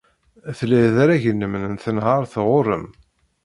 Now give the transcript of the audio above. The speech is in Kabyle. Tlid arrag-nnem n tenhaṛt ɣer-m.